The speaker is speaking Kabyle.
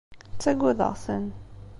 Ttagadeɣ-ten.